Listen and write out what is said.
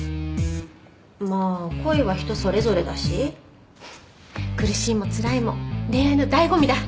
まあ恋は人それぞれだしふっ苦しいもつらいも恋愛のだいご味だ